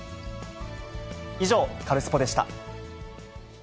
以上、カルスポっ！でした。